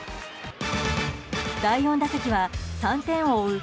第４打席は３点を追う